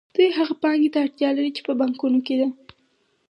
دوی هغې پانګې ته اړتیا لري چې په بانکونو کې ده